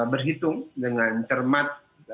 berhitung dengan cermat